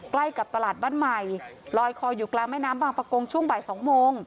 ใกล้กับตลาดบ้านใหม่ลอยคออยู่กลางแม่น้ำบางประกงช่วงบ่าย๒โมง